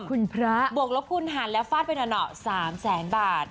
คุณพระบวกลบคุณหารแล้วฟาดไปหน่อ๓แสนบาท